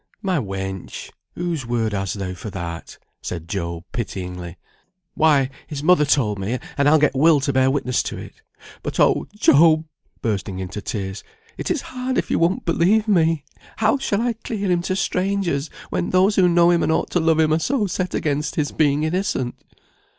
"My wench! whose word hast thou for that?" said Job, pityingly. "Why! his mother told me, and I'll get Will to bear witness to it. But, oh! Job" (bursting into tears), "it is hard if you won't believe me. How shall I clear him to strangers, when those who know him, and ought to love him, are so set against his being innocent?"